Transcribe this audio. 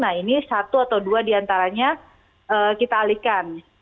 atau dua diantaranya kita alihkan